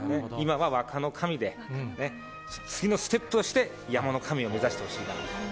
今は若の神で、次のステップとして、山の神を目指してほしいなと。